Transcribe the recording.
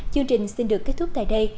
chương trình xin được kết thúc tại đây